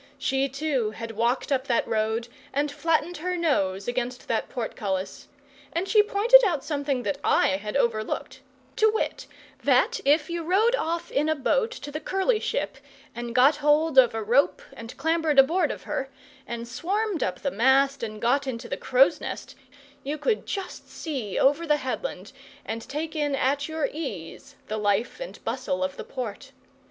She, too, had walked up that road and flattened her nose against that portcullis; and she pointed out something that I had overlooked to wit, that if you rowed off in a boat to the curly ship, and got hold of a rope, and clambered aboard of her, and swarmed up the mast, and got into the crow's nest, you could just see over the headland, and take in at your ease the life and bustle of the port.